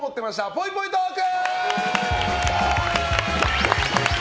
ぽいぽいトーク！